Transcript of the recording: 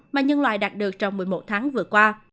mà nhân loại đạt được trong một mươi một tháng vừa qua